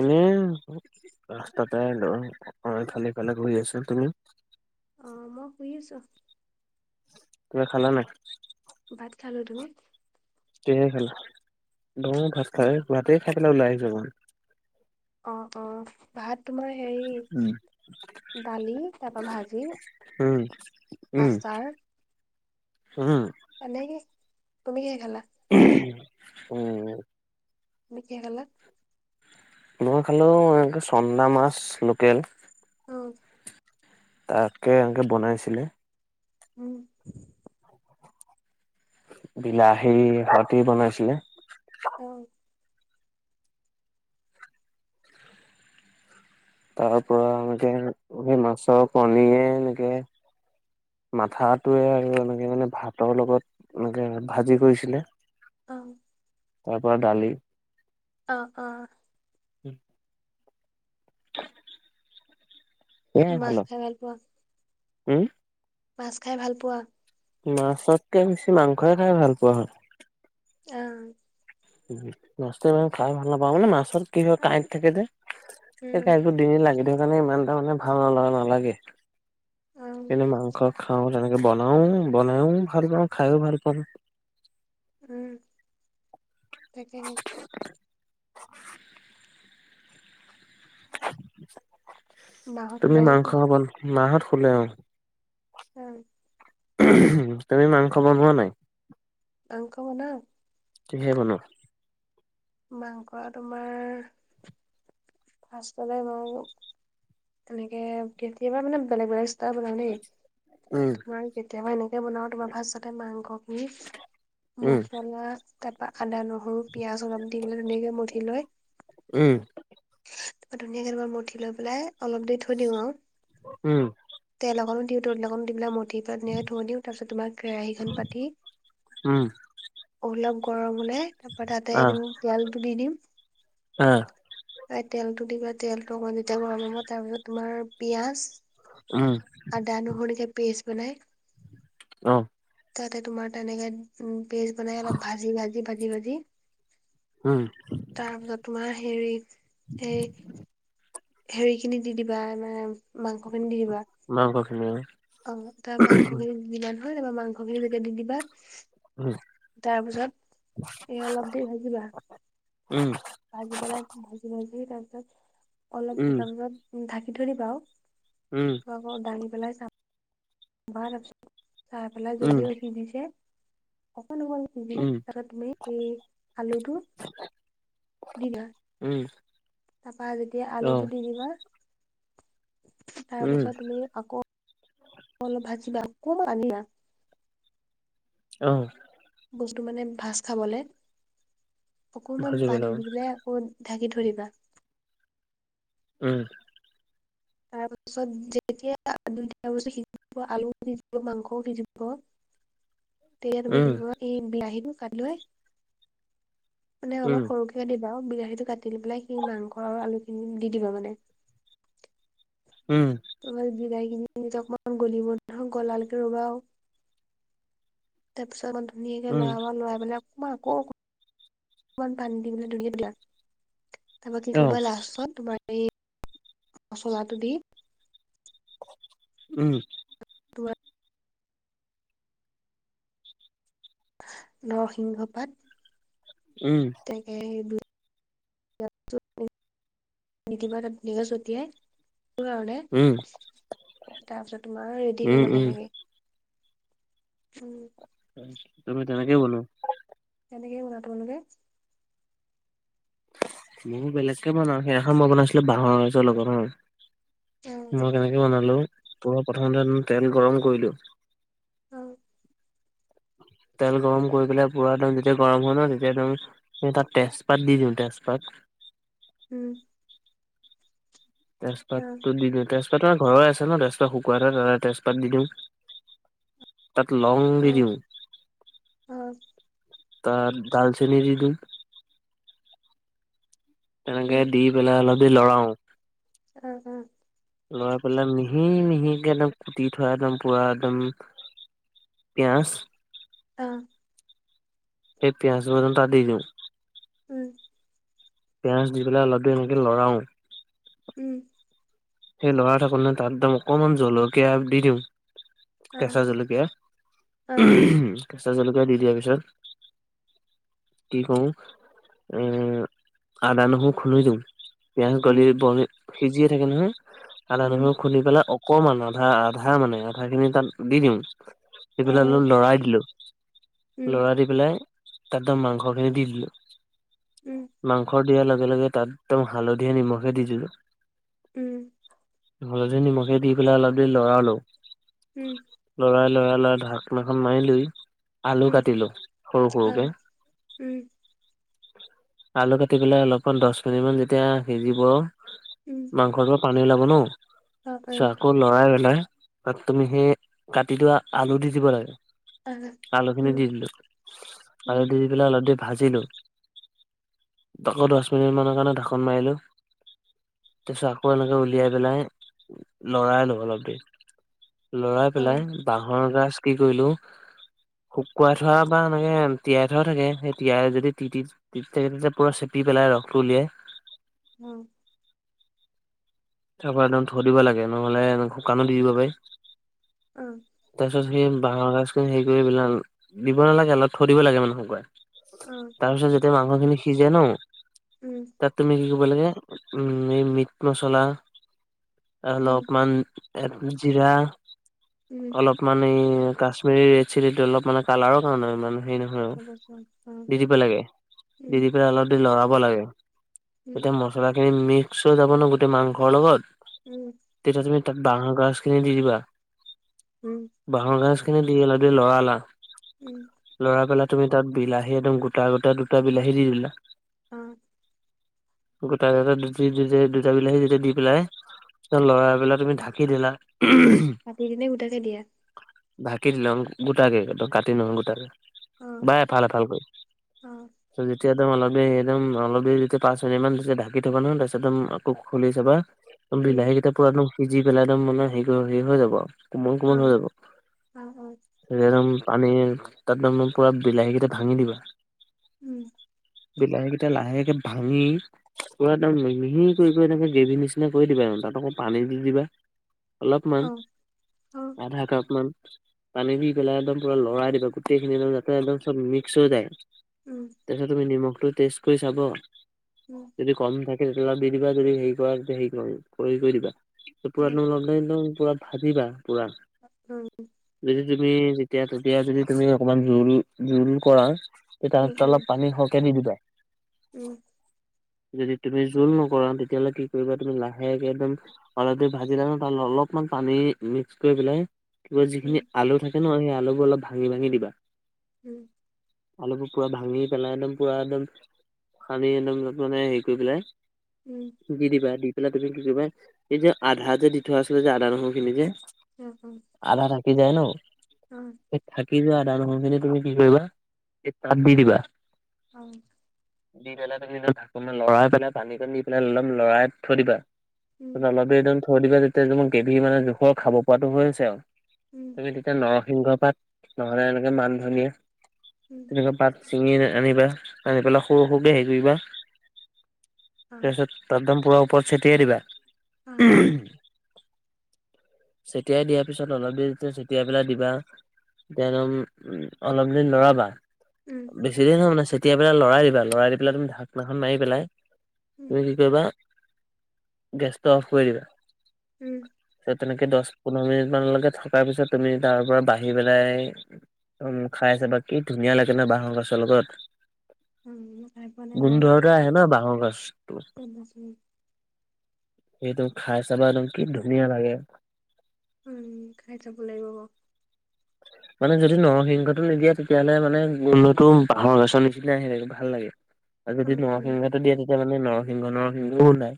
এনেই ৰাস্তাতে অ ইফালে সিফালে ঘূৰি আছোঁ তুমি অ মই শুই আছোঁ। কিবা খালা নাই ভাত খালো তুমি কিহে খালা [unintelligible] ভাত খাই গাতে খাই পেলাই ওলাই আহিছ চোন অ', অ', ভাত তোমাৰ অকমান হেৰি দালি তাৰ পৰা ভাজি উম উম আছাৰ উম, এনেকে তুমি কিহে খালা উম, মঠিয় কালত [unintelligible] মই খালো এনেক চন্দা মাছ লোকেল অ', তাকে এনেকৈ বনাইছিলে উম, বিলাহী সতে বনাইছিলে অ', তাৰ পৰা এনেকে সেই মাছৰ কণীয়ে এনেকে মাথাাতোয়ে আৰু এনেকে মানে ভাতৰ লগত এনেকে ভাজি কৰিছিলে অ', তাৰ পৰা দালি অ', অ', উম [unintelligible] সয়ে মাছ খালো খাই ভাল পোৱা উম, মাছ খাই ভালপোৱা মাছতকে বেছি মাংসয়ে খাই ভাল পোৱা হয়। অ', উ মাছ ম খাই ভাল নাপাওঁ মানে মাছৰ কি হয় কাঁইট থাকে যে উম ক ডিঙিত লাগি থ কাৰণে ইমান তাৰ মানে ভাল নলা নালাগে অ কিন্তু মাংস খাওঁ। তেনেকে বনাও বনাাইও ভাল পাওঁ খাইও ভাল পাওঁ। উম তাকে মাহত তুমি ওলা মাংস নেকি খাব মাহত সোলে অ',। উম। তুমি মাংস বনোৱা নাই? মাংস বনাও। কিহে বনোৱা? মাংস তোমাৰ ফাৰ্ষ্টলে মই তেনেকে কেতিয়াবা মানে বেলেগ বেলেগ ষ্টা বনাও দেই। উম তোমাৰ কেতিয়াবা এনেকে বনাও তোমাৰ ফাট্ৰটে মাংস খি উম মছলা, তাপা আদা, নহৰু, পিয়াঁজ অলপ দি পেলে তেনেকে এমঠি লৈ। উম ধুনীয়াকে তোমাৰ মঠি লৈ পেলাই অলপ দেৰি থৈ দিও আও। উম। তেল অকনো দিও ত লগনো দি পিলাই মই [unintelligible] থৈ দিওঁ, তাৰ পিছত তোমাক কেৰাহীখন পাতি, উম অলপ গৰম হলে তাপা তাতে আহ [unintelligible] তেলটো দি দিম। আহ তেলটো দি তেলটো অকণ যেতিয়া গৰম হ'ব। তাৰপিছত তোমাৰ পিয়াজ, উম। আদা, নহৰি কে পেষ্ট বনাই। অ'। তাতে তোমাৰ তেনেকে উ পেষ্ট বনাই অলপ ভাজি ভাজি ভাজি ভাজি। হুম। তাৰপিছত তোমাৰ হেৰি এই হেৰি খিনি দি দিবা মা মাংস খিনি দি দিবা। অ, তাৰ মাংস খিনি যিমান, হৈ যাব মাংস খিনি যেতিয়া দি দিবা। উম তাৰপিছত এ অলপ দেৰি ভা--বা। ভাজি পেলাই ভাজি ভাজি তাৰ পিছত অলপ উম ভজা ভজাত ঢাকি থৈ দিবা আৱ। উম। কোৱা ক, দাঙি পেলাই চা ভ--ই নাছিলোঁ। চাই পেলাই উম যদিও সিজিছে, অকণ অকণ উম উম [unintelligible] উম। তাপা যেতিয়া অ আলুটো দি দিবা। তাৰ উম পাছত তুমি আকৌ অলপ ভাজিবা আকৌ নিবা অহ। বস্তু মানে ভাজ খাবলে অকণমান ভাজিব পানী লাগে দি পেলাই ক'ত ঢাকি থৈ দিবা। উম। [unintelligible] [inaudible] [unintelligible] উম মানে উম অলপ সৰুক কে দিবা অ। বিলাহীটো কাটি লৈ পেলাই সি মাংস আৰু আলু খিনি দি দিবা মানে। উম। [unintelligible] তাৰপিছত মান ধুনীয়াকে উম লৰাব, লৰাই পেলাই অকমান আকৌ [unintelligible] তাৰপৰা কি অ', কৰিবা লাষ্টত তোমাৰ এ [unintelligible] উম। তোৱা নৰসিংহ পাত। উমঁ। তাকে'হে দু নতিবা নি নিদিবা ছতিয়াই সেইটো কাৰণে। উম, তাৰপিছত তোমাৰ ৰেডি হৈ উম, গ'ল উম। এনেকে। উমঁ। তুমি কেনেকে বনোৱা? সেনেকে বনাওঁ। তোমালোকে? মোৰ বেলেগকে বনাওঁ, সেইদিনাখন মই বনাইছিলো বাঁহৰ গাজৰ লগত হাঁ। অ, তোমাৰ কেনে বনালো, পুৰা প্ৰথমতে তেল গৰম কৰিলো। অহ। তেল গৰম কৰি পেলাই পুৰা একদম যেতিয়া গৰম হয় ন' তেতিয়া একদম তা'ত তেজপাত দি দিওঁ তেজপাত। উমঁ। অ, তেজপাতো দি দিওঁ। তেজপাতৰ আমাৰ ঘৰৰৰে আছে ন' তেজপাত শুকুৱা ত' তেজপাত দি দিওঁ। তা'ত লং অ, দি দিওঁ। অ, তা'ত ডালচেনি দি দিওঁ। তেনেকে উম, দি পেলাই অলপ দেৰি লৰাও। উম-উম। লৰাই পেলাই মিহি-মিহিকে একদম কুটি থোৱা একদম পুৰা একদম- পিয়াঁজ অহ'। সেই পিঁয়াজ এডাল তা'ত দি দিওঁ উমঁ। পিয়াজ দি পেলাই অলপ দেৰি এনেকে ল'ৰাও। উমঁ। সেই লৰাই থাকো নে তা'ত একদম অকণমান জলকীয়া দি দিওঁ। অ, কেঁচা জলকীয়া, অ, কেঁচা জলকীয়া দি দিয়াৰ পিছত কি কৰোঁ, উমঁ' আদা-নহৰু খুন্দি দিওঁ। পিয়াজ উম, গলি বনে সিজিয়ে থাকে নহয়। উম, আদা-নহৰু খুন্দি পেলাই অকণমান আধা-আধা মানে আধা খিনি তা'ত দি দিওঁ। দি অ, পেলাই অ, অলপ লৰাই দিলো, উম, লৰাই দি পেলাই তাত মাংস খিনি দি দিলো। উমঁ। মাংস দিয়াৰ লগে-লগে তাত একদম হালধীয়ে নিমখে দি দিলো। উমঁ। হালধি, নিমখে দি পেলাই অলপ দেৰি ল'ৰালো। উমঁ। লৰাই-লৰাই-লৰাই ঢাকনিখন মাৰি লৈ- আলু উম, কাটিলো অ, সৰু-সৰুকে। উম, আলু কাটি পেলাই অলপমান দ'হ মিনিটমান যেতিয়া সিজিব উমঁ। মাংস টো পৰা পানী ওলাব ন' চোৱা আকৌ- লৰাই পেলাই তাত তুমি সেই কাটি থোৱা আলু দি দিব লাগে। অ, আলুখিনি উম, দি দিলো, উম, আলু দি পেলাই অলপ দেৰি ভাজিলো। আকৌ দ'হ মিনিট মানৰ কাৰণে ঢাকন মাৰিলো তাৰপিছত আকল এনেকে উম, উলিয়াই পেলাই লৰাইনো অলপ দেৰি লৰাই অ, পেলাই বাঁহৰ গছ কি কৰিলো শুকুৱাই থোৱা বা এনেকে তিয়াই থোৱা থাকে। সেই তিয়াই যদি তিতি তিতাই তিতাই পুৰা চেপি পেলাই ৰসটো উলিয়াই। উম। তাৰ পৰা একদম থৈ দিব লাগে নহ'লে খুব শুকাণো দি দিব পাৰি। উম। তাৰ পিছত সেই বাঁহৰ গাজখিনি হেৰি কৰি পেলাই দিব নালাগে অলপ থৈ দিব লাগে মানে অলপ অ, শুকাই। তাৰপিছত যেতিয়া মাংসখিনি সিজে ন। উম। তাত তুমি কি ক'ব লাগে উম এই মিট মছলা। আ উম, অলপমান জিৰা উম, অলপ মান এই কাশ্মিৰীৰ এৰেড চিলিটো অলপ মানে কালাৰৰ কাৰণে ইমান হেৰি হেৰি নহয় আৰু গম পাইছোঁ অ, দি দিব লাগে। উম, দি দি পেলাই অলপ লৰাব লাগে উম, তেতিয়া মছলাখিনি মিক্স হৈ যাব ন গোটেই মাংসৰ লগত। উম। তেতিয়া তুমি তাত বাহঁৰ গাজখিনি দি দিবা। উম। বাঁহৰ গাজখিনি দি অলপ দেৰি লৰালা। উম। লৰা পেলাই তুমি তাত বিলাহী একদম গোটা গোটা দুটা বিলাহী দি দিলা। অ'। গোটাই গোটাই দুটি দুটা বিলাহী যেতিয়া দি পেলাই ত' লৰাবলাক তুমি ঢাকি দিলা। কাটি কিনি গোটাকে দিয়ে এয়াত। ঢাকি দিলা উম গোটাকে একদম কাটি নহয় গোটাকে। অ, বা এফাল এফালকৈ। অ, ত' যেতিয়া একদম অলপ দে একদম অলপ দে যেতিয়া পাঁচ মিনিট মান ঢাকি থবা নহয় তাৰপিছত একদম আকৌ খুলি চাবা উম, বিলাহী কেইটা পুৰা একদম সিজি পেলাই একম মানে হেৰি হেৰি হৈ যাব আৰু। কোমল অ, কোমল হৈ যাব। অ, অ, একদম পানী তাত একদম পুৰা বিলাহী কেইটা ভাঙি দিবা। উম। বিলাহী কেইটা লাহেকে ভাঙি পুৰা একদম মিহি কৰি কৰি এনেকে গ্ৰেভি নিচিনা নে কৰি দিবা আৰু তাত আকৌ পানী দি দিবা। খাই পোৱা অলপমান আধা কাপ মান। পানী দি পেলাই একদম পুৰা লৰাই দিবা গোটেইখিনি একদম যাতে একদম চব মিক্স হৈ যায়। উম। তাৰপিছত তুমি নিমখটো টেষ্ট কৰি চাব। উম। যদি কম থাকে তেতিয়া অলপ দি দিবা যদি হেৰি কৰা তেতিয়া হে কৰি কৰি দিবা। পুৰা অলপ টাইম একদম পুৰা ভাজিবা পুৰা। উম। যদি তুমি যেতিয়া তেতিয়া যদি তুমি অকমান জোল জোল কৰা। তেতিয়া তাত অলপ পানী সৰহকে দি দিবা। উম। যদি তুমি জোল নকৰা তেতিয়াহ'লে কি কৰিবা লাহেকে একদম অলপ দেৰি ভাজিলা নহয় তাত অলপমান পানী মিক্স কৰি পেলাই কিবা যিখিনি আলু থাকে ন' সেই আলুবোৰ অলপ ভাঙি ভাঙি দিবা। উম। আলুবোৰ পুৰা ভাঙি পেলাই একদম পুৰা একদম সানি একদম যতনে হেৰি কৰি পেলাই উম। টুকি দিবা, দি পেলাই তুমি কি কৰিবা, এই যে আধা যে দি থোৱা আছিলে যে আধা নহৰু খিনি যে [unintelligible] আধা থাকি যায় ন'। অ'। এ থাকি যোৱা আদা নহৰু খিনি তুমি কি কৰিবা এই তাত দি দিবা। অ'। দি পেলাই তুমি [unintelligible] লৰাই পেলাই পানীকণ দি পেলাই অলপ লৰাই থৈ দিবা। অলপ দেৰি একদম থৈ দিবা তেতিয়া গেভী মানে জোখৰ খাব পৰাটো হৈছে আৰু, তুমি নৰসিংহ পাত নহ'লে এনেকে মান ধনিয়া তেনেকুৱা পাত চিঙি আনিবা আনি পেলাই সৰু সৰুকে হেৰি কৰিবা, তাৰপিছত [unintelligible] একদম পুৰা ওপৰত ছেটিয়াই দিবা। [inaudible] চেটিয়াই দিয়াৰ পিছত অলপ দেৰি যেতিয়া ছটিয়াই পেলাই দিবা [unintelligible] একদম অলপ দেৰি ল'ৰাবা। উম। বেচি দেৰি নহয় মা চেতিয়াই পেলাই লৰাই দিবা লৰাই দি পেলাই তুমি ঢাকনাখন মাৰি পেলাই তুমি কি কৰিবা গেছটো অফ কৰি দিবা। উম। পিছত তেনেকে দচ পোন্ধৰ মিনিটমানলৈকে থকাৰ পিছত তুমি তাৰ পৰা বাঢ়ি পেলাই উম, খাই চাবা কি ধুনীয়া লাগে ন বাঁহৰ গছৰ লগত। [unintelligible] খাই পোৱা নাই গোন্ধ বাৰু। আহে ন'বাঁহৰ গাজটো। [unintelligible] সেইটো খাই চাবা একদম কি ধুনীয়া লাগে। উম, খাই চাব লাগিব বাৰু। মানে যদি নৰসিংহটো নিদিয়া তেতিয়াহ'লে মানে গোন্ধতো বাঁহৰ গাজৰ নিচিনা [unintelligible] ভাল লাগে। আৰু উম যদি উম নৰসিংহটো দিয়ে তেতিয়া মানে নৰসিংহ নৰসিংহ গোন্ধাই।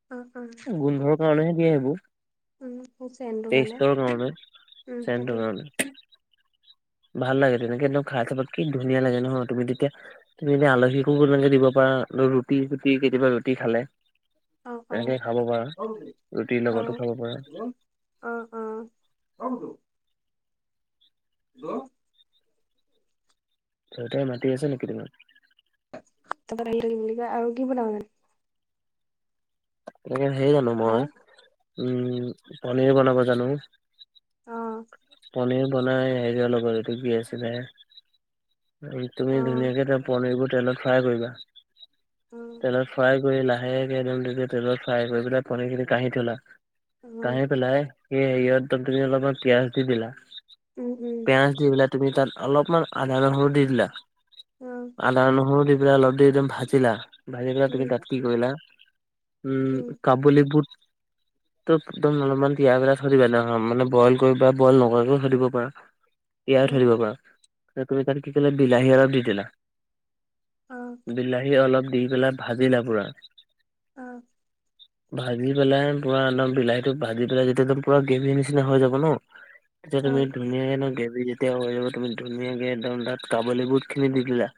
[unintelligible] গোন্ধৰ কাৰণেহে দিয়ে এইবোৰ, উম হৈছে এনটো টেষ্টৰ কাৰণে, উম সেইটো চেণ্টৰ কাৰণে। ভাল লাগে তেনেকে একদম খাই চাবা কি ধুনীয়া লাগে নহয় তুমি তেতিয়া তুমি এনে আলহীকো [unintelligible] দিব পাৰা, ৰুটি চুটি কেতিয়াবা ৰুটি খালে। অ অ এনেকে খাব পাৰা, অ ৰুটিৰ লগতো খাব পাৰা। অ ', অ'। [unintelligible] দেউতাই মাতি আছে নেকি তোমাক? [unintelligible] আৰু কি বনা [unintelligible] এনেকে হেই জানো হা মই উম, পনীৰ বনাব জানো। অ'। পনীৰ বনাই হেৰিয়াৰ লগৰ এইটো কি আছিলে। তুমি অ ধুনীয়াকে পনীৰবোৰ তেলত ফ্ৰাই কৰিবা। উম। তেলত ফ্ৰাই কৰি লাহেকে তেলত ফ্ৰাই কৰি পেলাই পনীৰ খিনি কাঢ়ি থলা। অ কাঢ়ি পেলাই সেই হেৰি তুমি অলপমান পিয়াজ দি দিলা। উম, উম। পিয়াজ দি পেলাই তুমি তাত অলপমান আদা নহৰু দি দিলা। অ'। আদা নহৰু দি পেলাই অলপ দেৰি তুমি ভাজিলা, ভাজি পেলাই উম, তুমি তাত কি কৰিলা উম, উম, কাবুলী বুট ত একদম অলপমান তিয়াই পেলাই থৈ দিবা সেই দিনাখন মানে বইল কৰি বা বইল নকৰাকৈও থৈ দিব পাৰা। তিয়াইও থৈ দিব পাৰা। সেই তাত কি কৰিলা বিলাহী অলপ দি দিলা, অ', বিলাহী অলপ দি পেলাই ভাজিলা পুৰা। অ'। ভাজি পেলাই পুৰা একদম বিলাহীতো ভাজি পেলাই যেতিয়া একদম পুৰা গ্ৰেভি নিচিনা হৈ যাব ন'! তেতিয়া তুমি ধুনীয়াকে গ্ৰেভি যেতিয়া হৈ যাব তুমি ধুনীয়াকে একদম তাত কাবলী বুট খিনি দি দিলা।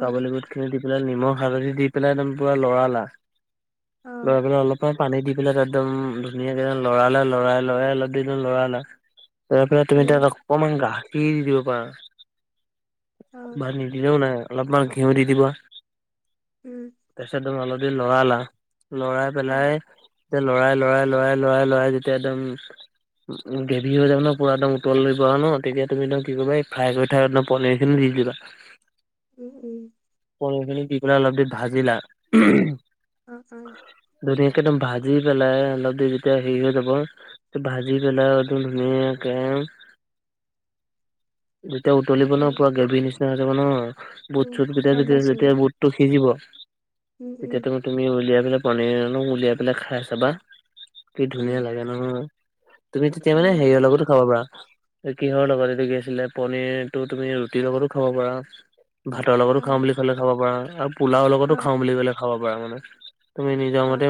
কাবুলি বুট খিনি দি পেলাই নিমখ হালধি দি পেলাই একদম পুৰা লৰালা। লৰাই পেলাই অলপমান পানী দি পেলাই তাত একদম ধুনীয়াকে লৰালা লৰাই লৰাই অলপ দেৰি লৰালা তাৰ পিছত তুমি তাত অকমান গাখীৰ দি দিব পাৰা বা নিদিলেও নাই অলপমান ঘিউ দি দিবা। উম। তাৰ পিছত তুমি অলপ দেৰি লৰালা। লৰাই পেলাই যেতিয়া লৰাই লৰাই লৰাই লৰাই লৰাই যেতিয়া একদম গ্ৰেভি হৈ যাব ন' পুৰা একদম উতলিব ন' তেতিয়া তুমি একদম কি কৰিবা এই ফ্ৰাই কৰি থোৱা একদম পনীৰ খিনি দি দিবা। উম, উম। পনীৰ খিনি দি পেলাই অলপ দেৰি ভাজিলা। অ', ধুনীয়াকে একদম ভাজি পেলাই অলপ দেৰি যেতিয়া হেৰি হৈ যাব। ভাজি পেলাই একদম ধুনীয়াকৈ [inaudible] যেতিয়া উতলিব ন' পুৰা গেভীৰ নিচিনা হৈ যাব ন'। উম। যেতিয়া বুটটো সিজিব, তেতিয়া তুমি তুমি উলিয়াই পেলাই পনীৰ উলিয়াই পেলাই খাই চাবা কি ধুনীয়া লাগে নহয়, তুমি তেতিয়া মানে হেৰি ৰ লগতো খাব পাৰা। কিহৰ লগত এটো কি আছিলে পনিৰটো তুমি ৰুটিৰ লগতো খাব পাৰা, ভাতৰ লগতো খাওঁ বুলি কলে খাব পাৰা আৰু পোলাও লগতো খাওঁ বুলি ক'লে খাব পাৰা, মানে তুমি নিজৰ অ'। মতে